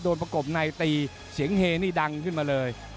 ประกบในตีเสียงเฮนี่ดังขึ้นมาเลย